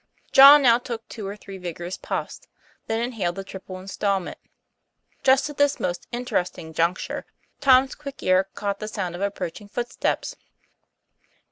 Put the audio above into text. John now took two or three vigorous puffs, then inhaled the triple instalment. Just at this most interesting juncture, Tom's quick ear caught the sound of approaching footsteps.